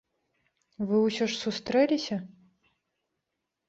Вы ўсё ж сустрэліся?